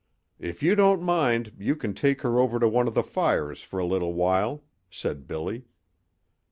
"If you don't mind, you can take her over to one of the fires for a little while," said Billy.